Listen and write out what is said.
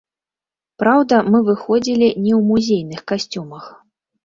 Праўда, мы выходзілі не ў музейных касцюмах.